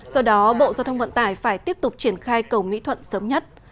do đó bộ giao thông vận tải phải tiếp tục triển khai cầu mỹ thuận sớm nhất